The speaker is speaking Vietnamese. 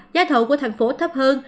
giá thậu của thành phố thấp hơn